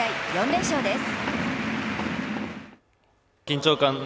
４連勝です。